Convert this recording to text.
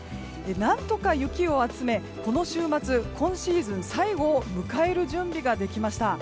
何とか雪を集め、この週末今シーズン最後を迎える準備ができました。